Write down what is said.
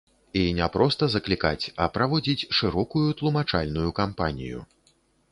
І не проста заклікаць, а праводзіць шырокую тлумачальную кампанію.